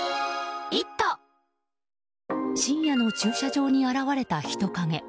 深夜の駐車場に現れた人影。